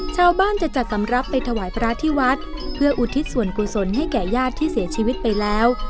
ชาวบ้านจะจัดสำหรับไปถวายพระที่วัดเพื่ออุทิศส่วนกุศลให้แก่ญาติที่เสียชีวิตไปแล้ว